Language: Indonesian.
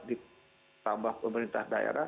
ditambah pemerintah daerah